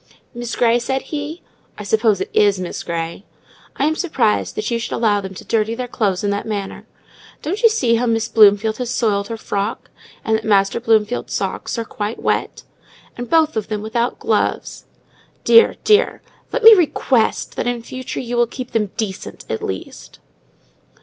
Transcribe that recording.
"Miss Grey," said he, "(I suppose it is Miss Grey), I am surprised that you should allow them to dirty their clothes in that manner! Don't you see how Miss Bloomfield has soiled her frock? and that Master Bloomfield's socks are quite wet? and both of them without gloves? Dear, dear! Let me request that in future you will keep them decent at least!"